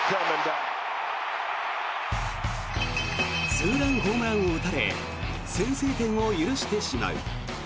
ツーランホームランを打たれ先制点を許してしまう。